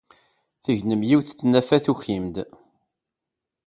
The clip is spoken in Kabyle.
Tegnem yiwet n tnafa tukim-d.